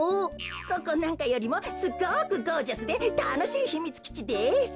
ここなんかよりもすごくゴージャスでたのしいひみつきちです。